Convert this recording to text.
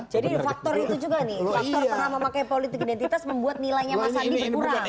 jadi faktor itu juga nih faktor pernah memakai politik identitas membuat nilainya mas sandi berkurang